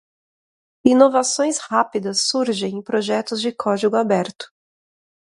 Inovações rápidas surgem em projetos de código aberto.